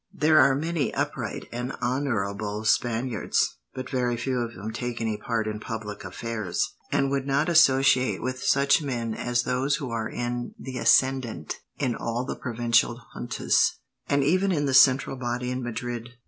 There are many upright and honourable Spaniards, but very few of them take any part in public affairs, and would not associate with such men as those who are in the ascendant in all the provincial juntas, and even in the central body in Madrid.